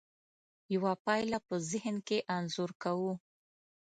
یوه پایله په ذهن کې انځور کوو.